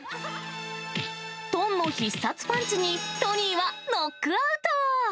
トンの必殺パンチに、トニーはノックアウト。